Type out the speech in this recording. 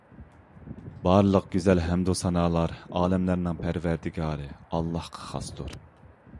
بارلىق گۈزەل ھەمدۇسانالار ئالەملەرنىڭ پەرۋەردىگارى ئاللاھقا خاستۇر